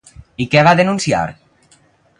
I què va denunciar?